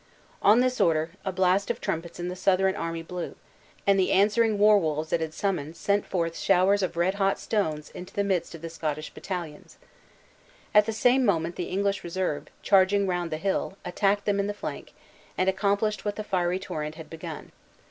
On this order, a blast of trumpets in the Southron army blew; and the answering war wolves it had summoned sent forth showers of red hot stones into the midst of the Scottish battalions. At the same moment the English reserve, charging round the hill, attacked them in the flank, and accomplished what the fiery torrent had begun.